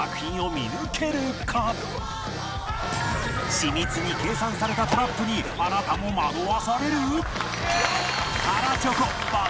緻密に計算されたトラップにあなたも惑わされる？